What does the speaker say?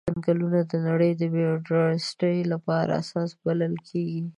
ځنګلونه د نړۍ د بایوډایورسټي لپاره اساس بلل کیږي.